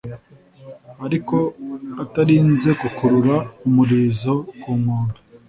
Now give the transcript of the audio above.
ariko atarinze gukurura umurizo ku nkombe